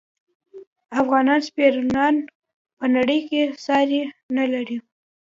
افغان سپینران په نړۍ کې ساری نلري.